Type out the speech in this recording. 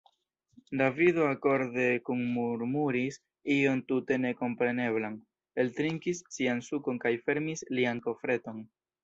Davido akorde kunmurmuris ion tute nekompreneblan, eltrinkis sian sukon kaj fermis lian kofreton.